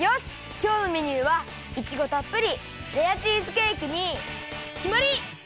きょうのメニューはいちごたっぷりレアチーズケーキにきまり！